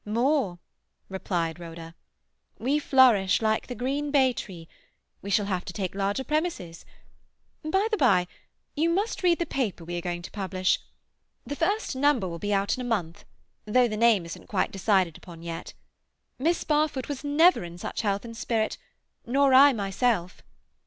"More!" replied Rhoda. "We flourish like the green bay tree. We shall have to take larger premises. By the bye, you must read the paper we are going to publish; the first number will be out in a month, though the name isn't quite decided upon yet. Miss Barfoot was never in such health and spirit—nor I myself.